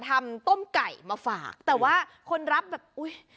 ทำต้มไก่มาฝากแต่ว่าคนรับแบบอุ้ย